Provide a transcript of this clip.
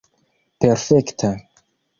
perfekta